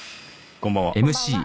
こんばんは。